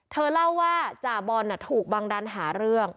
เธอเล่าว่าจ่าบอลถูกบังดันหาเรื่อง